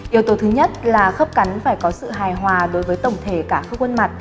yếu tố thứ nhất là khớp cắn phải có sự hài hòa đối với tổng thể cả các khuôn mặt